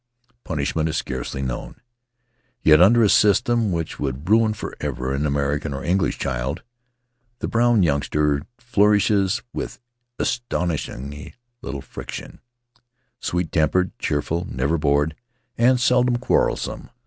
Punishment is scarcely known; yet under a system which would ruin forever an American or English child the brown youngster flourishes with astonishingly little friction — sweet tempered, cheerful, never bored, and seldom quarrel some.